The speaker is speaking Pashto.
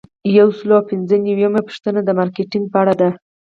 یو سل او پنځه نوي یمه پوښتنه د مارکیټینګ په اړه ده.